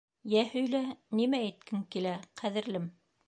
— Йә һөйлә, нимә әйткең килә, ҡәҙерлем?